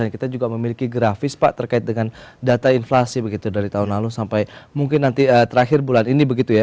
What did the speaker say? kita juga memiliki grafis pak terkait dengan data inflasi begitu dari tahun lalu sampai mungkin nanti terakhir bulan ini begitu ya